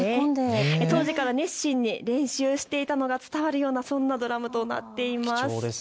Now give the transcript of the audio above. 当時から熱心に練習していたのが伝わってくるような、そんなドラムとなっています。